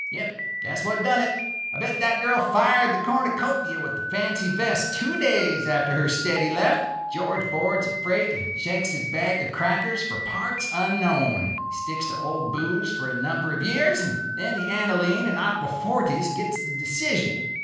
Yep. That's what done it. I bet that girl fired the cornucopia with the fancy vest two days after her steady left. George boards a freight and checks his bag of crackers for parts unknown. He sticks to Old Booze for a number of years; and then the aniline and aquafortis gets the decision.